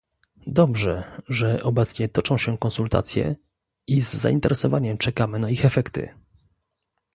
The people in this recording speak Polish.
Dobrze, że obecnie toczą się konsultacje, i z zainteresowaniem czekamy na ich efekty